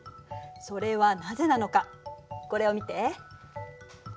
それはなぜなのかこれを見て。